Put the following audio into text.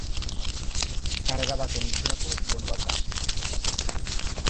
Sarrera baten itxurako bonu bat da.